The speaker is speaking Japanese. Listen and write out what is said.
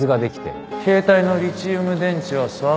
携帯のリチウム電池は粗悪品